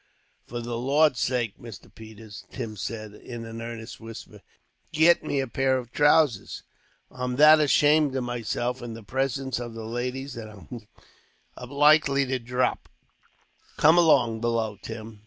"For the Lord's sake, Mr. Peters," Tim said, in an earnest whisper, "git me a pair of trousers. I'm that ashamed of myself, in the presence of the ladies, that I'm like to drop." "Come along below, Tim.